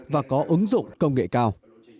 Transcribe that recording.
và có ứng dụng công nghệ cao